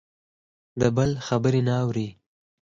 د بل خبرې نه اوري.